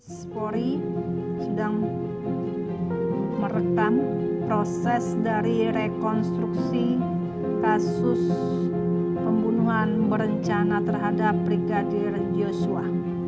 spori sedang merekam proses dari rekonstruksi kasus pembunuhan berencana terhadap brigadir yosua